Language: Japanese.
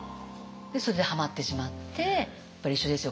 それでハマってしまってやっぱり一緒ですよ。